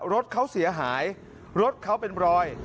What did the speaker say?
รถเขาเสียหายรถเขาเป็นรอย